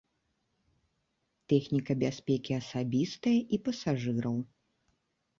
Тэхніка бяспекі асабістая і пасажыраў.